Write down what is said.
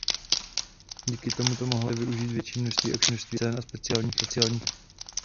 Díky tomu mohla produkce využít větší množství akčních scén a speciálních efektů.